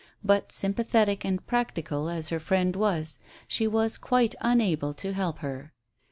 But sympathetic and practical as her friend was, she was quite unable to help her.